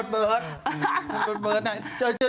ที่เคยให้ไปจริงจักร